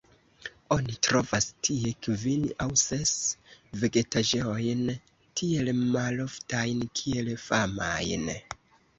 Oni trovas tie kvin aŭ ses vegetaĵojn tiel maloftajn kiel famajn.